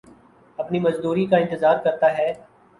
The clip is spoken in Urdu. اپنی مزدوری کا انتظار کرتا ہے